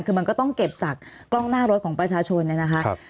คือมันก็ต้องเก็บจากกล้องหน้ารถของประชาชน